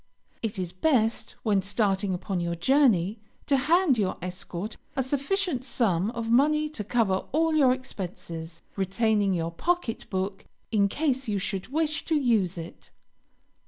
It is best, when starting upon your journey, to hand your escort a sufficient sum of money to cover all your expenses, retaining your pocket book in case you should wish to use it.